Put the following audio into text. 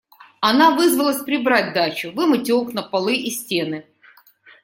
Она вызвалась прибрать дачу, вымыть окна, полы и стены.